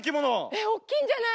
えっ大きいんじゃない？